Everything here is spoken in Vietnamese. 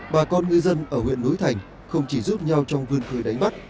bà con ngư dân ở huyện núi thành không chỉ giúp nhau trong vươn khơi đáy mắt